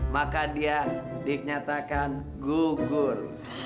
maka dia dinyatakan gugur